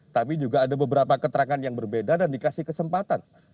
tapi juga ada beberapa keterangan yang berbeda dan dikasih kesempatan